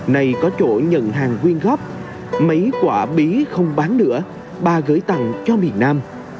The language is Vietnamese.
này có chỗ nhận hàng quyên góp mấy quả bí không bán nữa bà gửi tặng cho miền nam